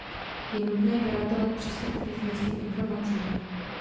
Je nutné garantovat přístup k technickým informacím.